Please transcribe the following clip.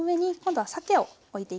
はい。